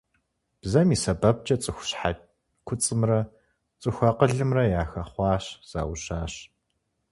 Бзэм и сэбэпкӀэ цӀыху щхьэ куцӀымрэ цӀыху акъылымрэ яхэхъуащ, заужьащ.